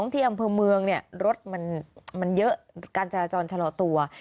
ที่อำเภอเมืองรถมันเยอะการจราจรชะลอตัว